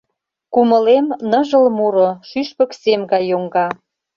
Кумылем — ныжыл муро, шÿшпык сем гай йоҥга.